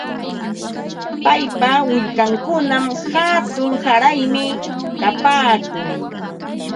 Paypa willkankunam hatun qaraymi kapaakun.